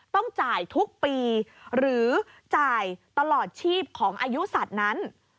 ต้องจ่ายทุกปีหรือจ่ายตลอดชีพของอายุสัตว์นั้น